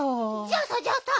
じゃあさじゃあさ